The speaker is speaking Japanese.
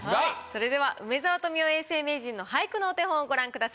それでは梅沢富美男永世名人の俳句のお手本をご覧ください。